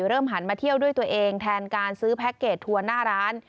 หันมาเที่ยวด้วยตัวเองแทนการซื้อแพ็คเกจทัวร์หน้าร้าน